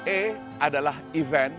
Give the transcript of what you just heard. e adalah event